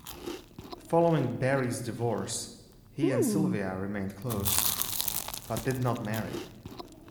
Following Barrie's divorce, he and Sylvia remained close, but did not marry.